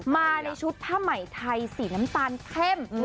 มาในชุดผ้าใหม่ไทยสีน้ำตาลเข้ม